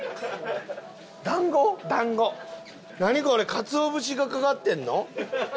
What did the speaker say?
かつお節がかかってるの？